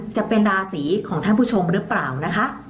จะเป็นราศีของท่านผู้ชมหรือเปล่านะคะ